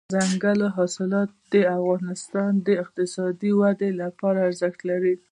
دځنګل حاصلات د افغانستان د اقتصادي ودې لپاره ارزښت لري.